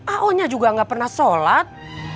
aonya juga nggak pernah sholat